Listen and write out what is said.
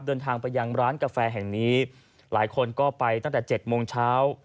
เดินทางไปยังร้านกาแฟแห่งนี้หลายคนก็ไปตั้งแต่๗โมงเช้า